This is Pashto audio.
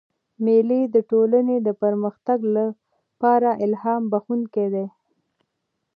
مېلې د ټولني د پرمختګ له پاره الهام بخښونکي دي.